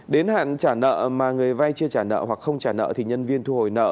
đến hạn trả nợ mà người vay chưa trả nợ hoặc không trả nợ thì nhân viên thu hồi nợ